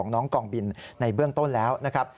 น้องกองบินในเบื้องต้นแล้วนะครับ